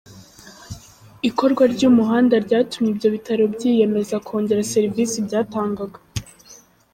Ikorwa ry’umuhanda ryatumye ibyo bitaro byiyemeza kongera serivisi byatangaga.